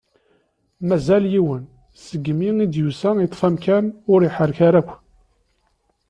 Mazal yiwen, seg mi i d-yusa yeṭṭef amkan ur iḥerrek ara akk.